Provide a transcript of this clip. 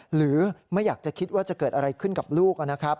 หรือไม่อยากจะคิดว่าจะเกิดอะไรขึ้นกับลูกนะครับ